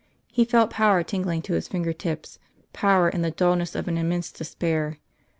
He felt power tingling to his finger tips power and the dulness of an immense despair.